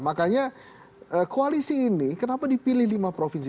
makanya koalisi ini kenapa dipilih lima provinsi